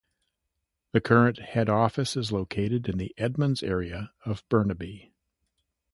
The current head office is located in the Edmonds area of Burnaby.